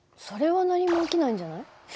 それは何も起きないんじゃない？